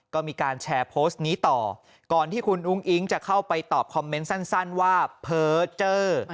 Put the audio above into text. ก็มีการแชร์โพสต์นี้ต่อก่อนที่คุณอุ้งอิ๊งจะเข้าไปตอบคอมเมนต์สั้นว่าเพ้อเจอร์